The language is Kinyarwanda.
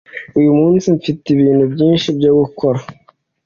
Uyu munsi mfite ibintu byinshi byo gukora.